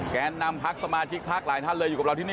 แกนนำพักสมาชิกพักหลายท่านเลยอยู่กับเราที่นี่